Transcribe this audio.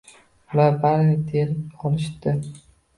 Ular barini terib olishibdi.